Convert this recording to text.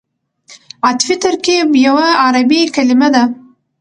عطفي ترکیب یوه عربي کلیمه ده.